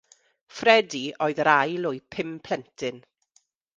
Fredi oedd yr ail o'u pum plentyn.